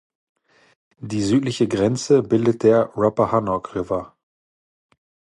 Die südliche Grenze bildet der Rappahannock River.